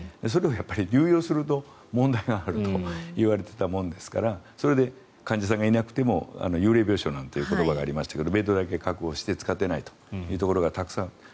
それを流用すると問題があるといわれていたものですからそれで患者さんがいなくても幽霊病床という言葉がありましたけどベッドだけ確保して使ってないところがたくさん。